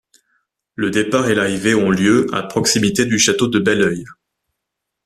Le départ et l'arrivée ont lieu à proximité du château de Belœil.